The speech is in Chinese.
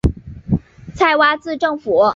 蔡圭字正甫。